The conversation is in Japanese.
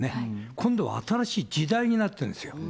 今度は新しい時代になってるんですよ。